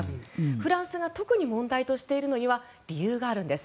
フランスが特に問題としているのには理由があるんです。